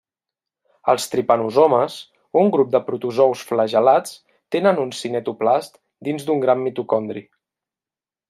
Els tripanosomes, un grup de protozous flagel·lats tenen un cinetoplast dins d'un gran mitocondri.